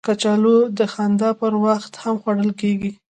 کچالو د خندا پر وخت هم خوړل کېږي